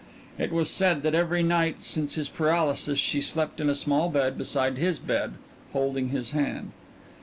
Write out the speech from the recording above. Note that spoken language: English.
It was said that every night since his paralysis she slept in a small bed beside his bed, holding his hand.